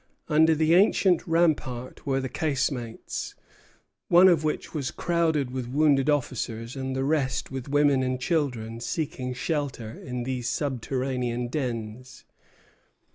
Under the adjacent rampart were the casemates, one of which was crowded with wounded officers, and the rest with women and children seeking shelter in these subterranean dens.